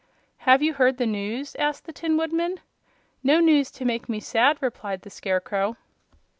"Have you heard the news?" asked the Tin Woodman. "No news to make me sad," replied the Scarecrow.